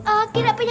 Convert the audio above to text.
abis itu dia